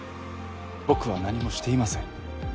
僕は何もしていません。